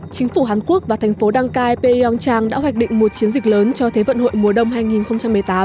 chính phủ hàn quốc và thành phố đăng cai peyung trang đã hoạch định một chiến dịch lớn cho thế vận hội mùa đông hai nghìn một mươi tám